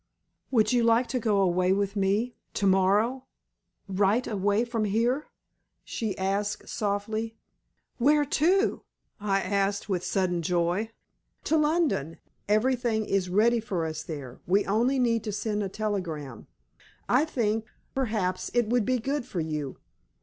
"Would you like to go away with me to morrow right away from here?" she asked, softly. "Where to?" I asked, with sudden joy. "To London. Everything is ready for us there; we only need to send a telegram. I think perhaps it would be good for you."